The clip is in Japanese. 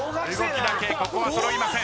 ここは揃いません。